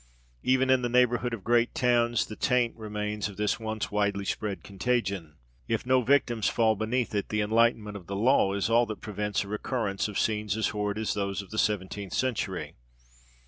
Even in the neighbourhood of great towns the taint remains of this once widely spread contagion. If no victims fall beneath it, the enlightenment of the law is all that prevents a recurrence of scenes as horrid as those of the seventeenth century.